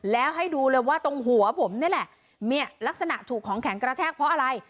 แล้วให้ดูเลยว่าตรงหัวผมนี่แหละเนี่ยลักษณะถูกของแข็งกระแทกเพราะอะไร